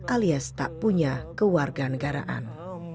alias tak punya keluarga negaraan